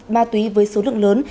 ma túy với số lượng lớn